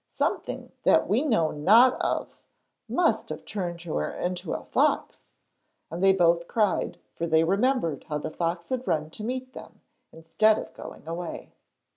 Something that we know not of must have turned her into a fox.' And they both cried, for they remembered how the fox had run to meet them instead of going away.